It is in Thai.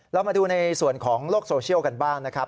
เรามาดูในส่วนของโลกโซเชียลกันบ้างนะครับ